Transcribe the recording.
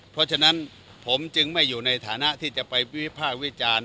เพราะฉะนั้นผมจึงไม่อยู่ในฐานะที่จะไปวิภาควิจารณ์